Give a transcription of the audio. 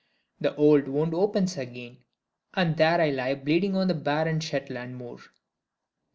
The old wound opens again and there I lie bleeding on the barren Shetland moor!